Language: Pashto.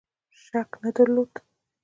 شک نه درلود.